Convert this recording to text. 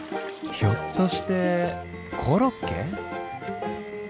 ひょっとしてコロッケ？